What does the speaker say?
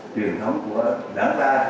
truyền thống của đảng ta